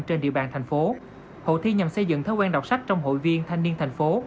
trên địa bàn thành phố hội thi nhằm xây dựng thói quen đọc sách trong hội viên thanh niên thành phố